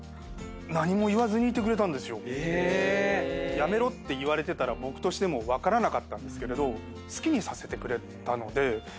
やめろと言われてたら僕としても分からなかったんですけれど好きにさせてくれたので。